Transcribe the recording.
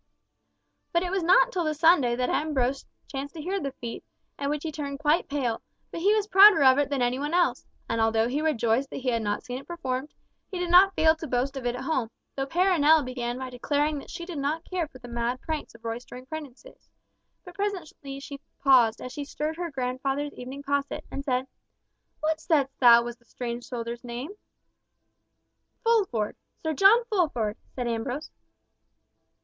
But it was not till the Sunday that Ambrose chanced to hear of the feat, at which he turned quite pale, but he was prouder of it than any one else, and although he rejoiced that he had not seen it performed, he did not fail to boast of it at home, though Perronel began by declaring that she did not care for the mad pranks of roistering prentices; but presently she paused, as she stirred her grandfather's evening posset, and said, "What saidst thou was the strange soldier's name?" "Fulford—Sir John Fulford" said Ambrose.